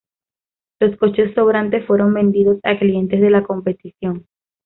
Los coches sobrantes fueron vendidos a clientes de la competición.